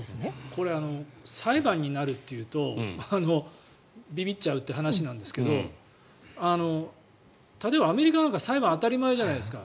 これ裁判になると言うとびびっちゃうという話ですけど例えば、アメリカなんか裁判、当たり前じゃないですか。